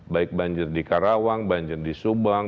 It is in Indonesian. baik banjir di karawang banjir di subang